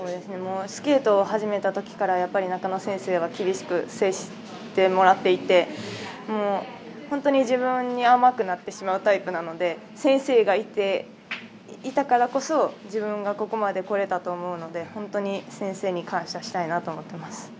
スケートを始めた時から中野先生からは厳しく接してもらっていて本当に自分に甘くなってしまうタイプなので先生がいたからこそ自分がここまでこれたと思うので本当に先生に感謝したいなと思っています。